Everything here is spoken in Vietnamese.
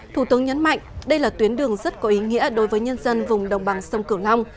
thủ tướng nhấn mạnh đây là tuyến đường rất có ý nghĩa đối với nhân dân vùng đồng bằng sông cửu long